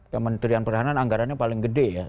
kementerian pertahanan anggarannya paling gede ya